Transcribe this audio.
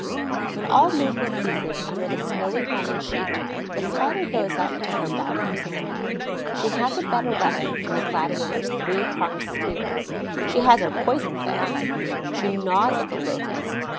When all movement ceases under the snowy winding sheet, the Spider goes up to her bound prisoner. She has a better weapon than the gladiator's three pronged spear: she has her poison fangs. She gnaws at the Locust.